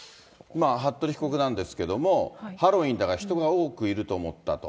服部被告なんですけども、ハロウィーンだから人が多くいると思ったと。